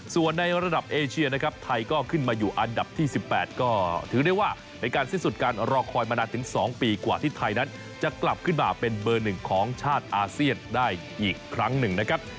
ส่วนในระดับเอเชียนะครับไทยก็ขึ้นมาอยู่อันดับที่๑๘ก็ถือได้ว่าเป็นการสิ้นสุดการรอคอยมานานถึง๒ปีกว่าที่ไทยนั้นจะกลับขึ้นมาเป็นเบอร์หนึ่งของชาติอาเซียนได้อีกครั้งหนึ่งนะครับ